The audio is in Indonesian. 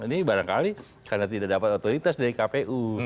ini barangkali karena tidak dapat otoritas dari kpu